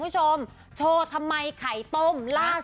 โชว์ทำไมไข่ต้ม